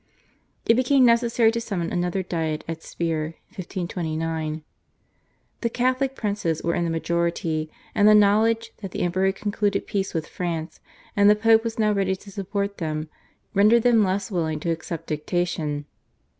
It became necessary to summon another Diet at Speier (1529). The Catholic princes were in the majority, and the knowledge, that the Emperor had concluded peace with France and the Pope and was now ready to support them, rendered them less willing to accept dictation.